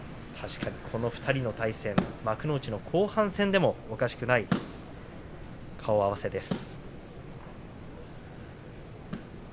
この２人の対戦は幕内の後半戦でもおかしくない顔合わせです。